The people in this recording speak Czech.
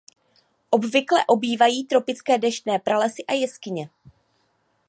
Obvykle obývají tropické deštné pralesy a jeskyně.